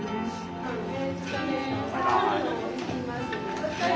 ・お疲れ。